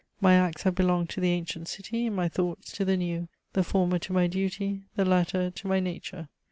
My acts have belonged to the ancient city, my thoughts to the new; the former to my duty, the latter to my nature.